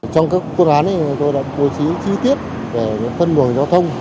trong các phương án chúng tôi đã bố trí chi tiết để phân luồng giao thông